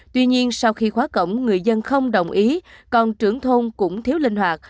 tuy nhiên sau khi khóa cổng người dân không đồng ý còn trưởng thôn cũng thiếu linh hoạt